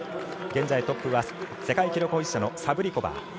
現在トップは世界記録保持者のサブリコバー。